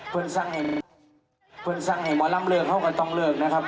เพื่อนสังเห็นเพื่อนสังเห็นวะล้ำเลิกเข้ากับต้องเลิกนะครับ